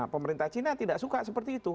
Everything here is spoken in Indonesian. pemerintah cina tidak suka seperti itu